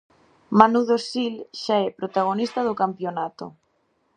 Manu Dosil xa é protagonista do campionato.